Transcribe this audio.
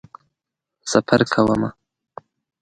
سفر کومه